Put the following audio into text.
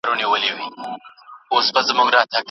په لیکلو کې ذهن تر اورېدلو ډېر تمرکز کوي.